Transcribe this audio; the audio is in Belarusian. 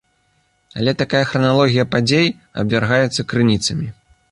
Але такая храналогія падзей абвяргаецца крыніцамі.